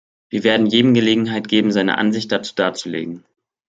Wir werden jedem Gelegenheit geben, seine Ansicht dazu darzulegen.